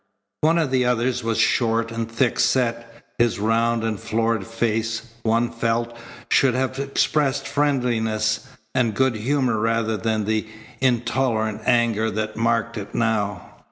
One of the others was short and thick set. His round and florid face, one felt, should have expressed friendliness and good humour rather than the intolerant anger that marked it now.